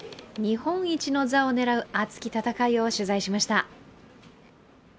日本一の座を狙う熱き戦いを取材しました。